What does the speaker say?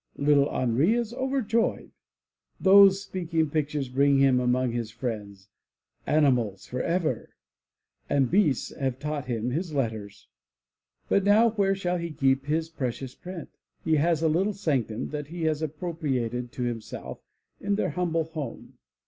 Little Henri is overjoyed. Those speaking pictures bring him among his friends. Animals forever ! The beasts have taught him his letters ! But now where shall he keep his precious print? He has a little sanctum that he has appropriated to himself in their humble home.